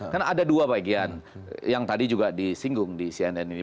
karena ada dua bagian yang tadi juga disinggung di cnn ini